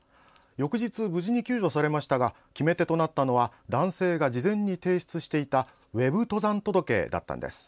翌日、無事に救助されましたが決め手となったのは男性が事前に提出していたＷＥＢ登山届だったんです。